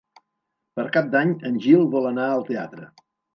Per Cap d'Any en Gil vol anar al teatre.